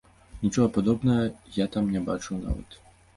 Нічога падобнага я там не бачыў нават.